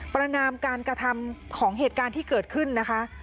ประนามการกระทำของเหตุการณ์ที่เกิดขึ้นนะคะ